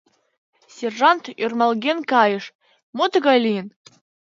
Сержант ӧрмалген кайыш: «Мо тыгай лийын?»